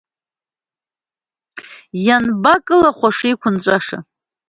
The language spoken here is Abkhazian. Иабанкылахәашеи, иқәынҵәаша…